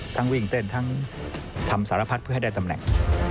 วิ่งเต้นทั้งทำสารพัดเพื่อให้ได้ตำแหน่ง